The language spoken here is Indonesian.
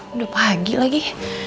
udah pagi lagi